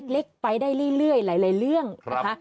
เล็กไปได้เรื่อยหลายเรื่องนะคะ